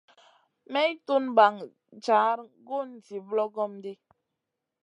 May tun ɓaŋ jar gun zi ɓlogom ɗi.